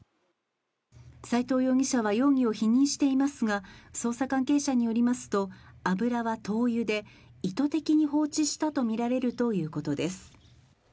斉藤容疑者は容疑を否認していますが、捜査関係者によりますと、油は灯油で意図的に放置したとみられるということです。